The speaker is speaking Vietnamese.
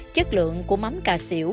chất lượng của mắm cà xỉu